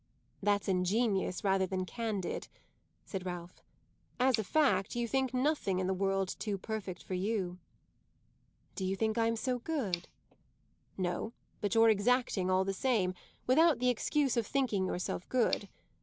"That's ingenious rather than candid," said Ralph. "As a fact you think nothing in the world too perfect for you." "Do you think I'm so good?" "No, but you're exacting, all the same, without the excuse of thinking yourself good.